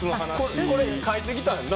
これ書いてきたんな？